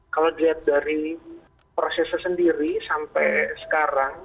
kalau dilihat dari prosesnya sendiri sampai sekarang